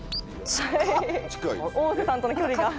はい大瀬さんとの距離が。